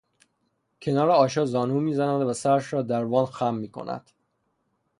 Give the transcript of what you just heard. کنار آشا زانو میزند و سرش را در وان خم می کند